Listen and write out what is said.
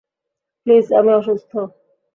Please, আমি অসুস্থ!